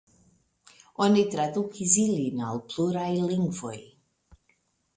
Oni tradukis ilin al pluraj lingvoj.